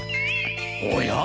おや？